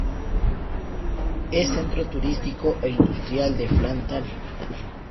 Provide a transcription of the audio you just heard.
Es centro turístico e industrial de Flandes Oriental.